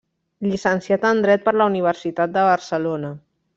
Llicenciat en Dret per la Universitat de Barcelona.